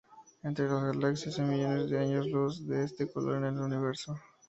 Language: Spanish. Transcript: Entre las galaxias, hay millones de años luz de este color en el universo.